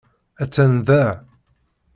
Attan da.